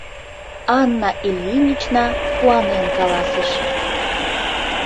— Анна Ильинична куанен каласыш.